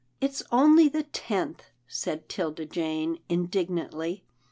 " It's only the tenth," said 'Tilda Jane, indig nantly.